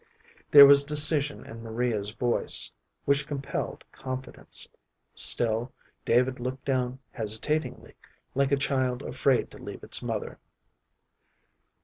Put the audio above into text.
There was decision in Maria's voice which compelled confidence. Still David looked down hesitatingly, like a child afraid to leave its mother.